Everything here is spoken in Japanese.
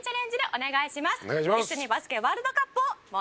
お願いします。